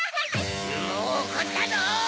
もうおこったぞ！